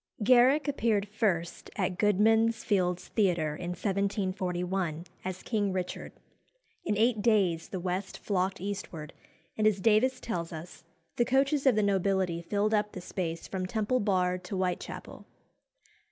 Garrick appeared first at Goodman's Fields Theatre, in 1741, as King Richard. In eight days the west flocked eastward, and, as Davies tells us, "the coaches of the nobility filled up the space from Temple Bar to Whitechapel."